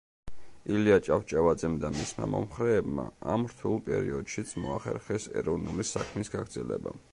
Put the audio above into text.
ილია ჭავჭავაძემ და მისმა მომხრეებმა ამ რთულ პერიოდშიც მოახერხეს ეროვნული საქმის გაგრძელება.